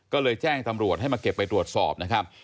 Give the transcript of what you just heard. ก็เลยแจ้งตำรวจให้มาเก็บไปตรวจสอบนะครับ